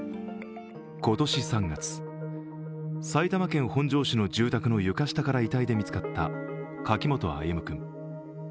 今年３月、埼玉県本庄市の住宅の床下から遺体で見つかった柿本歩夢君。